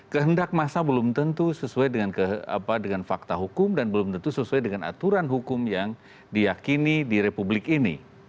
kehendak masa belum tentu sesuai dengan fakta hukum dan belum tentu sesuai dengan aturan hukum yang diakini di republik ini